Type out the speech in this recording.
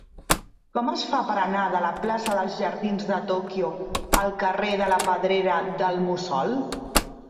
Com es fa per anar de la plaça dels Jardins de Tòquio al carrer de la Pedrera del Mussol?